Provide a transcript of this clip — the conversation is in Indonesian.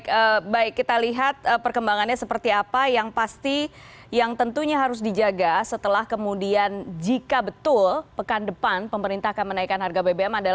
oke baik kita lihat perkembangannya seperti apa yang pasti yang tentunya harus dijaga setelah kemudian jika betul pekan depan pemerintah akan menaikkan harga bbm adalah